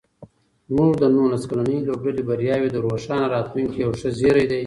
زموږ د نولس کلنې لوبډلې بریاوې د روښانه راتلونکي یو ښه زېری دی.